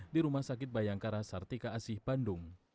di rumah sakit bayangkara sartika asih bandung